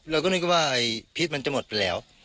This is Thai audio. เราก็นึกว่าไอ้พิษมันจะหมดไปแล้ว